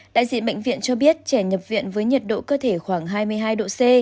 đại diện bệnh viện cho biết trẻ nhập viện với nhiệt độ cơ thể khoảng hai mươi hai độ c